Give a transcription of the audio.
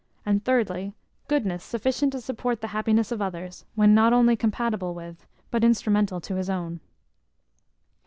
And, 3rdly, Goodness sufficient to support the happiness of others, when not only compatible with, but instrumental to his own.